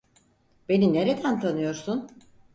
Beni nereden tanıyorsun?